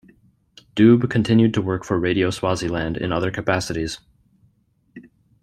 Dube continued to work for Radio Swaziland in other capacities.